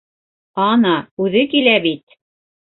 Ана үҙе килә бит!